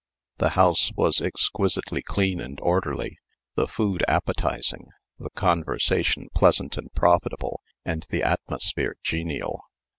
The house was exquisitely clean and orderly, the food appetizing, the conversation pleasant and profitable, and the atmosphere genial.